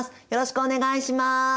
よろしくお願いします。